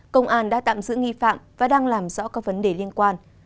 công an đã tạm giữ nghi phạm và đang làm rõ các vấn đề liên quan